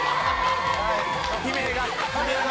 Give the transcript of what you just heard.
「悲鳴が」